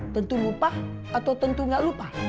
tentu lupa atau tentu gak lupa